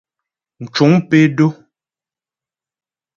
Mcuŋ pé dó.